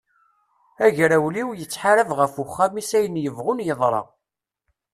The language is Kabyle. Agrawliw yettḥarab ɣef uxxam-is ayen yebɣun yeḍra!